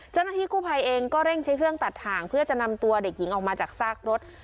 เจ้าหน้าที่กู้ภัยเองก็เร่งใช้เครื่องตัดถ่างเพื่อจะนำตัวเด็กหญิงออกมาจากซากรถ